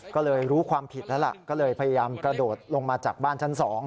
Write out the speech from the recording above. ก็เลยรู้ความผิดแล้วล่ะก็เลยพยายามกระโดดลงมาจากบ้านชั้น๒